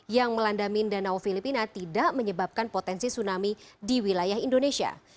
yang melandami danau filipina tidak menyebabkan potensi tsunami di wilayah indonesia